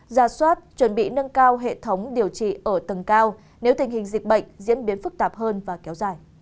ra soát chuẩn bị nâng cao hệ thống điều trị ở tầng cao nếu tình hình dịch bệnh diễn biến phức tạp hơn và kéo dài